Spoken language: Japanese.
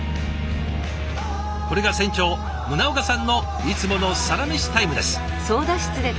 これが船長宗岡さんのいつものサラメシタイムです。